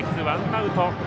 ワンアウト。